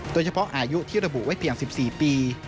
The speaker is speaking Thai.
โดยเฉพาะอายุที่ระบุไว้เพียง๑๔ปี